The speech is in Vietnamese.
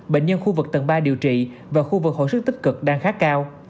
bệnh nhân khu vực tầng ba điều trị và khu vực hồi sức tích cực đang khá cao